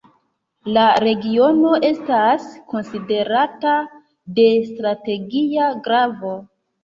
La regiono estas konsiderata de strategia gravo.